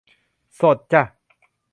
สดจ้ะ